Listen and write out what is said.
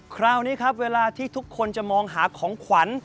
คราวนี้ครับเวลาที่ทุกคนจะมองหาของขวัญ